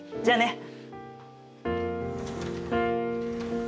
じゃあね。